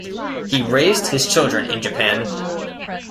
He raised his children in Japan.